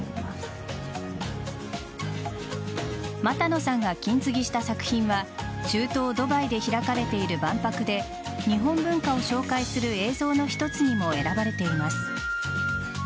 俣野さんが金継ぎした作品は中東・ドバイで開かれている万博で日本文化を紹介する映像の一つにも選ばれています。